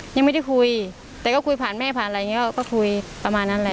ยังไม่ได้คุยแต่ก็คุยผ่านแม่ผ่านอะไรอย่างนี้ก็คุยประมาณนั้นแหละ